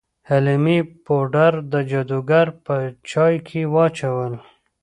حلیمې پوډر د جادوګر په چای کې واچول.